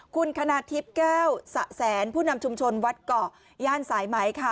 คุณคณาทิพย์แก้วสะแสนผู้นำชุมชนวัดเกาะย่านสายไหมค่ะ